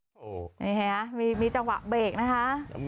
โอโหเห็นไหมฮะมีมีจังหวะเบรกนะคะ